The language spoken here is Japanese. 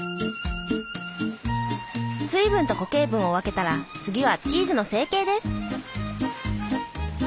水分と固形分を分けたら次はチーズの成形です。